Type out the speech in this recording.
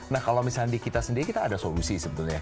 nah kalau misalnya di kita sendiri kita ada solusi sebenarnya